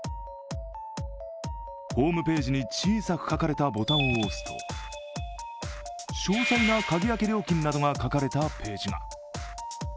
ホームページに小さく書かれたボタンを押すと、詳細な鍵開け料金などが書かれたページが。